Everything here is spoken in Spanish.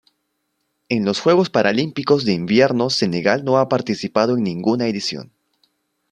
En los Juegos Paralímpicos de Invierno Senegal no ha participado en ninguna edición.